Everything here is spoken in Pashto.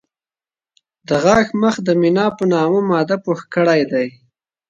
د غاښ مخ د مینا په نامه ماده پوښ کړی دی.